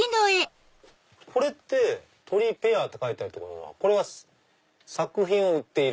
これって『鳥ペア』って書いてあるってことは作品を売っている？